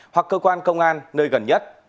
hoặc cơ quan công an nơi gần nhất